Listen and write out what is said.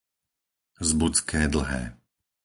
Zbudské Dlhé